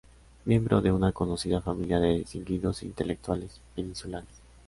Miembro de una conocida familia de distinguidos intelectuales peninsulares.